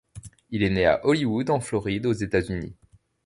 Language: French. Il est né à Hollywood en Floride aux États-Unis.